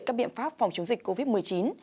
các biện pháp phòng chống dịch covid một mươi chín